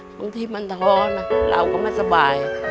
บางทีมันท้อนะเราก็ไม่สบาย